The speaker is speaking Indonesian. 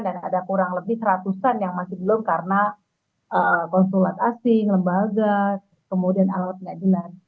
dan ada kurang lebih seratusan yang masih belum karena konsulat asing lembaga kemudian alat pengajilan